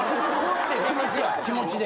気持ちや気持ちで。